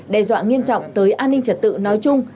đe dọa nghiêm trọng tới an ninh trật tự nói chung